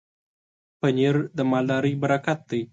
پنېر د مالدارۍ برکت دی.